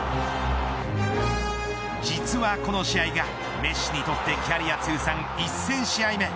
実はこの試合がメッシにとってキャリア通算１０００試合目。